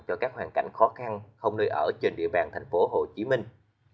cho các hoàn cảnh khó khăn không nơi ở trên địa bàn thành phố hồ chí minh